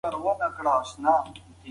ټیکنالوژي د خلکو اړیکې نږدې کوي.